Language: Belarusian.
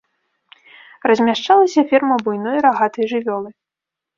Размяшчалася ферма буйной рагатай жывёлы.